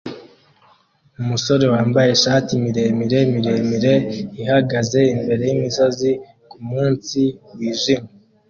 Umusore wambaye ishati miremire miremire ihagaze imbere yimisozi kumunsi wijimye